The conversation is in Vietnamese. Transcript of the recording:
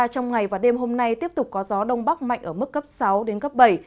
trong ngày và đêm hôm nay tiếp tục có gió đông bắc mạnh ở mức cấp sáu đến cấp bảy